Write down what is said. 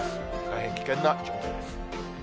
大変危険な状況です。